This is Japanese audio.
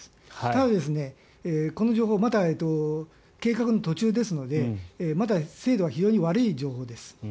ただ、この情報まだ計画の途中ですのでまだ精度は非常に悪い情報です。